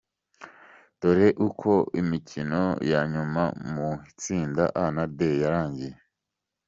Dore uko imikino ya nyuma mu itsinda A-D yarangiye:.